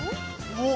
おっ。